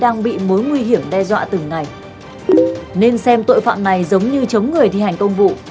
nên xem tội phạm này giống như chống người thì hành công vụ